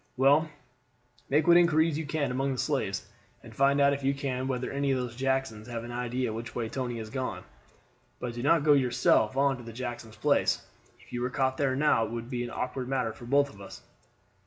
Well, make what inquiries you can among the slaves, and find out if you can whether any of those Jacksons have an idea which way Tony has gone. But do not go yourself on to Jackson's place; if you were caught there now it would be an awkward matter for both of us."